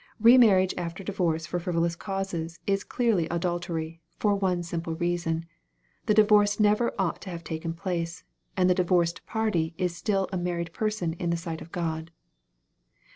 Re marriage after divorce for frivolous causes" is clearly adultery, for one simple reason the di vorce never ought to have taken place, and the divorced party is etill a married person in the sight of God.